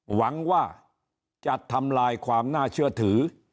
หวังว่าจะทำลายความน่าเชื่อถือ